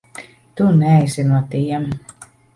Tu neesi no tiem.